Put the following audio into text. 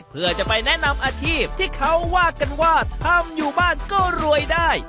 เพื่อจะไปแนะนำอาชีพที่เขาว่ากันว่าทำอยู่บ้านก็รวยได้